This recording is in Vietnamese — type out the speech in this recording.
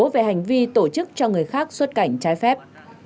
về hành vi tổ chức cho người khác xuất cảnh trái phép